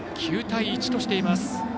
９対１としています。